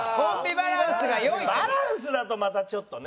「バランス」だとまたちょっとね。